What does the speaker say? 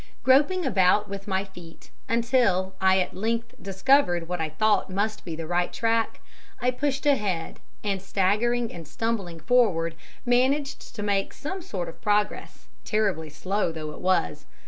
Groping about with my feet, until I at length discovered what I thought must be the right track, I pushed ahead, and, staggering and stumbling forward, managed to make some sort of progress, terribly slow though it was.